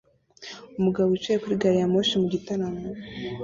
Umugabo wicaye kuri gari ya moshi mugitaramo